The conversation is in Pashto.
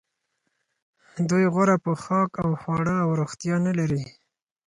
دوی غوره پوښاک او خواړه او روغتیا نلري